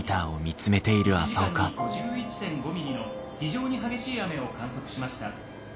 「１時間に５１．５ミリの非常に激しい雨を観測しました。